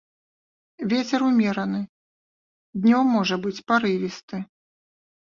Вецер умераны, днём можа быць парывісты.